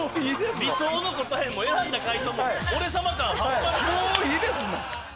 理想の答えも選んだ回答ももういいですもん。